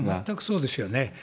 全くそうですよね。